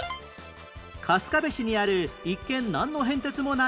春日部市にある一見なんの変哲もない広場